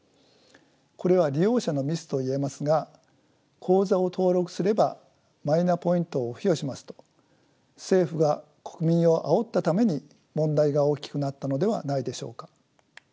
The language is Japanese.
これは利用者のミスと言えますが口座を登録すればマイナポイントを付与しますと政府が国民をあおったために問題が大きくなったのではないでしょうか。